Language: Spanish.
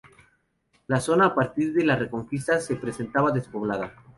La zona a partir de la reconquista se presentaba despoblada.